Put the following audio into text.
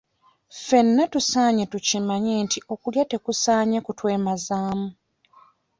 Ffenna tusaanye tukimanye nti okulya tekusaanye kutwemazaamu.